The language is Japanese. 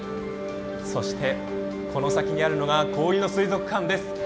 そして、この先にあるのが氷の水族館です。